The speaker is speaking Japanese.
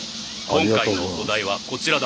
今回のお題はこちらだ。